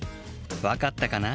わかったかな？